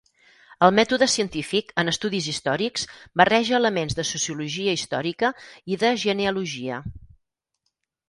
El mètode científic, en estudis històrics, barreja elements de sociologia històrica i de genealogia.